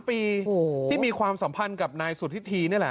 ปีที่มีความสัมพันธ์กับนายสุธิธีนี่แหละ